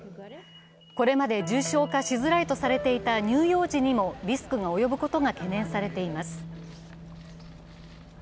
これまで重症化しづらいとされていた乳幼児にもリスクが及ぶことが懸念されています。